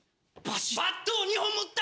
バットを２本持った！